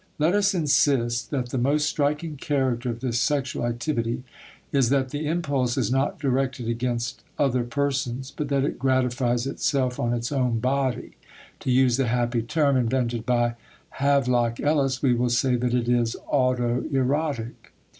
Let us insist that the most striking character of this sexual activity is that the impulse is not directed against other persons but that it gratifies itself on its own body; to use the happy term invented by Havelock Ellis, we will say that it is autoerotic.